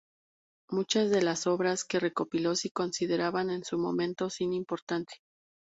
Muchas de las obras que recopiló se consideraban en su momento sin importancia.